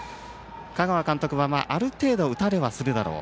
香川監督はある程度、打たれはするだろう。